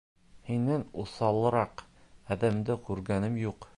Һинән уҫалыраҡ әҙәмде күргәнем юҡ.